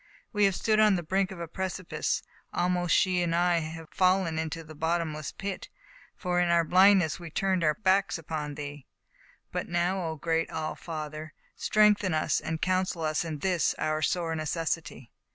We have stood on the brink of a precipice. Almost she and I have fallen into a bottomless pit ; for in our blindness we turned our backs upon thee, Digitized by Google 15^ tMe fate of PeJvella, but now, oh, great All Father, strengthen us and counsel us in this, our sore necessity."